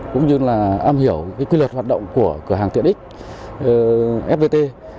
cũng như là am hiểu quy luật hoạt động của cửa hàng tiện x fpt